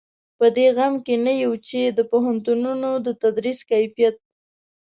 په دې غم کې نه یو چې د پوهنتونونو د تدریس کیفیت.